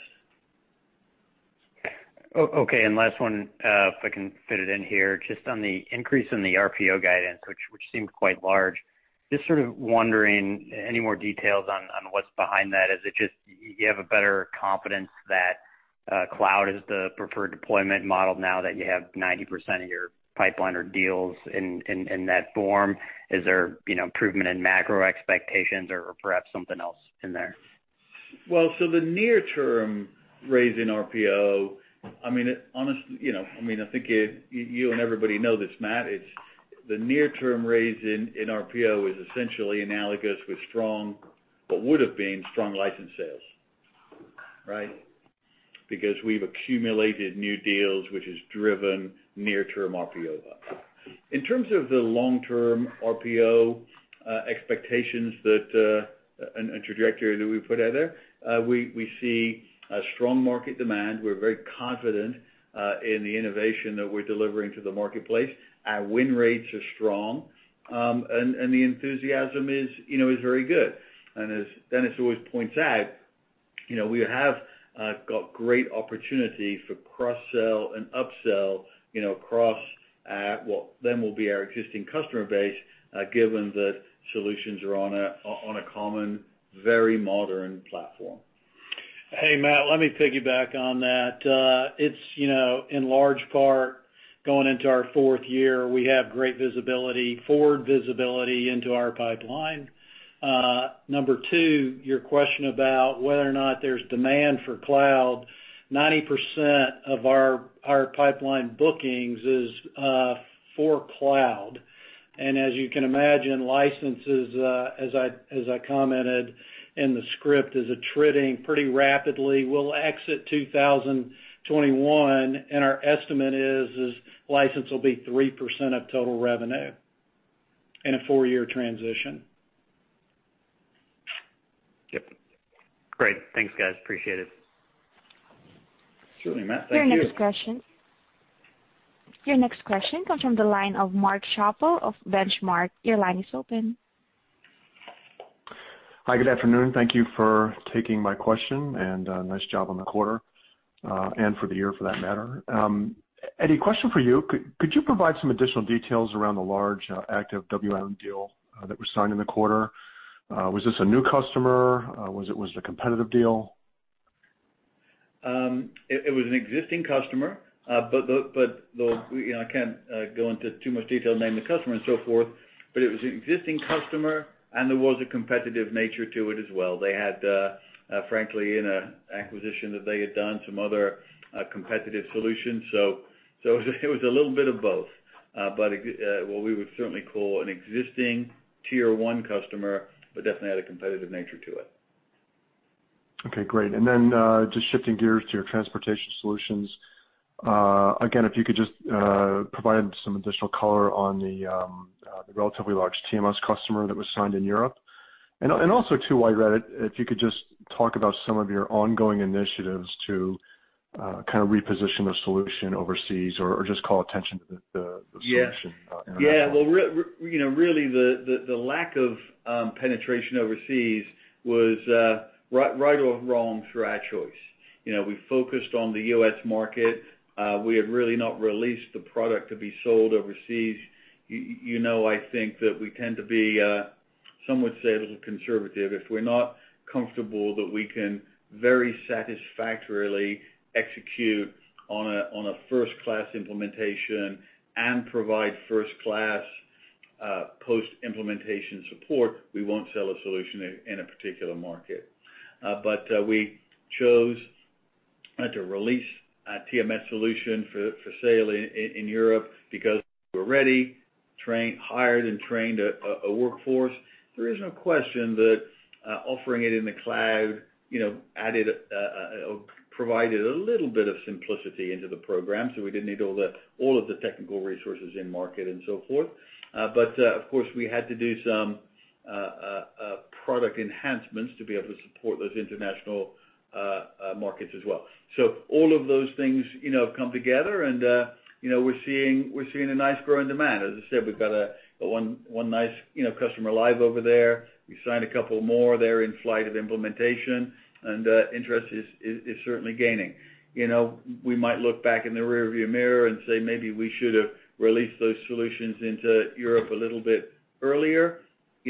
J: Okay. And last one, if I can fit it in here, just on the increase in the RPO guidance, which seemed quite large, just sort of wondering any more details on what's behind that. Is it just you have a better confidence that cloud is the preferred deployment model now that you have 90% of your pipeline or deals in that form? Is there improvement in macro expectations or perhaps something else in there?
C: So the near-term raise in RPO, I mean, honestly, I mean, I think you and everybody know this, Matt. The near-term raise in RPO is essentially analogous with strong, what would have been strong license sales, right? Because we've accumulated new deals, which has driven near-term RPO up. In terms of the long-term RPO expectations and trajectory that we put out there, we see strong market demand. We're very confident in the innovation that we're delivering to the marketplace. Our win rates are strong, and the enthusiasm is very good. And as Dennis always points out, we have got great opportunity for cross-sell and upsell across what then will be our existing customer base, given that solutions are on a common, very modern platform.
D: Hey, Matt, let me piggyback on that. It's, in large part, going into our fourth year, we have great visibility, forward visibility into our pipeline. Number two, your question about whether or not there's demand for cloud. 90% of our pipeline bookings is for cloud. And as you can imagine, licenses, as I commented in the script, is attriting pretty rapidly. We'll exit 2021, and our estimate is license will be 3% of total revenue in a four-year transition.
J: Yep. Great. Thanks, guys. Appreciate it.
C: Certainly, Matt. Thank you.
A: Your next question comes from the line of Mark Schappel of Benchmark. Your line is open.
K: Hi, good afternoon. Thank you for taking my question, and nice job on the quarter and for the year for that matter. Eddie, question for you. Could you provide some additional details around the large Active WM deal that was signed in the quarter? Was this a new customer? Was it a competitive deal?
C: It was an existing customer, but I can't go into too much detail naming the customer and so forth. But it was an existing customer, and there was a competitive nature to it as well. They had, frankly, in an acquisition that they had done some other competitive solutions. So it was a little bit of both. But what we would certainly call an existing Tier 1 customer, but definitely had a competitive nature to it.
K: Okay. Great. And then just shifting gears to your transportation solutions. Again, if you could just provide some additional color on the relatively large TMS customer that was signed in Europe. And also too, while you're at it, if you could just talk about some of your ongoing initiatives to kind of reposition the solution overseas or just call attention to the solution in America.
C: Yeah. Really, the lack of penetration overseas was right or wrong for our choice. We focused on the U.S. market. We had really not released the product to be sold overseas. I think that we tend to be, some would say, a little conservative. If we're not comfortable that we can very satisfactorily execute on a first-class implementation and provide first-class post-implementation support, we won't sell a solution in a particular market. But we chose to release a TMS solution for sale in Europe because we're ready, hired, and trained a workforce. There is no question that offering it in the cloud provided a little bit of simplicity into the program. So we didn't need all of the technical resources in market and so forth. But of course, we had to do some product enhancements to be able to support those international markets as well. So all of those things have come together, and we're seeing a nice growing demand. As I said, we've got one nice customer live over there. We signed a couple more there in-flight implementation, and interest is certainly gaining. We might look back in the rearview mirror and say, "Maybe we should have released those solutions into Europe a little bit earlier."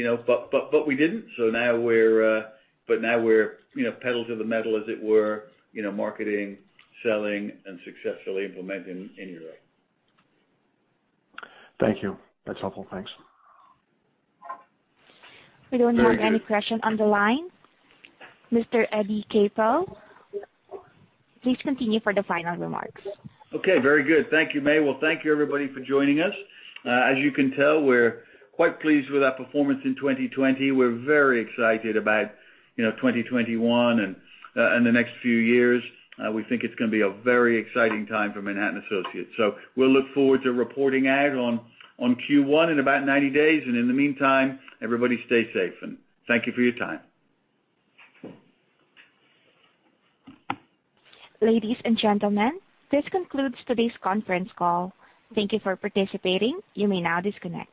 C: But we didn't. So now we're pedal to the metal, as it were, marketing, selling, and successfully implementing in Europe.
K: Thank you. That's helpful. Thanks.
A: We don't have any questions on the line. Mr. Eddie Capel, please continue for the final remarks.
C: Okay. Very good. Thank you, May. Well, thank you, everybody, for joining us. As you can tell, we're quite pleased with our performance in 2020. We're very excited about 2021 and the next few years. We think it's going to be a very exciting time for Manhattan Associates. So we'll look forward to reporting out on Q1 in about 90 days. And in the meantime, everybody stay safe, and thank you for your time.
A: Ladies and gentlemen, this concludes today's conference call. Thank you for participating. You may now disconnect.